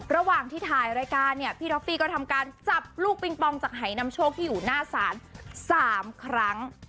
ระหว่างที่ถ่ายรายการเนี่ยพี่ท็อฟฟี่ก็ทำการจับลูกปิงปองจากหายนำโชคที่อยู่หน้าศาล๓ครั้ง